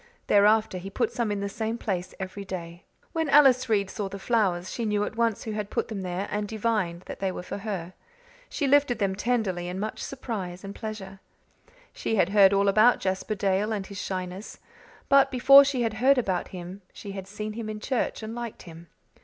Thereafter he put some in the same place every day. When Alice Reade saw the flowers she knew at once who had put them there, and divined that they were for her. She lifted them tenderly in much surprise and pleasure. She had heard all about Jasper Dale and his shyness; but before she had heard about him she had seen him in church and liked him.